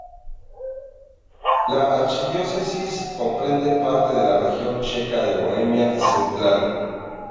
La archidiócesis comprende parte de la región checa de Bohemia Central.